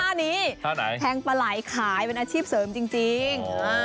ท่านี้ท่าไหนแทงปลาไหล่ขายเป็นอาชีพเสริมจริง